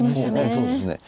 そうですね。